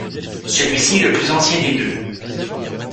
Celui-ci est le plus ancien des deux.